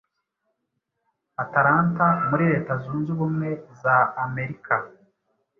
Atalanta muri Leta zunze Ubumwe za Amerika,